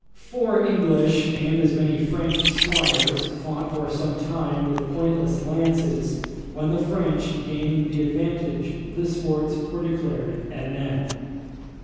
Four English and as many French squires fought for some time with pointless lances, when the French gaining the advantage, the sports were declared at an end.